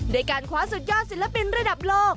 ด้วยการคว้าสุดยอดศิลปินระดับโลก